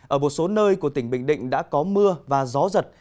ở một số nơi của tỉnh bình định đã có mưa và gió giật